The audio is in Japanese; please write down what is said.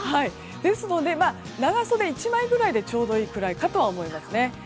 ですので、長袖１枚ぐらいでちょうどいい感じだと思います。